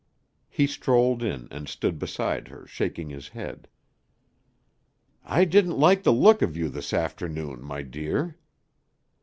He strolled in and stood beside her shaking his head. "I didn't like the look of you this afternoon, my dear."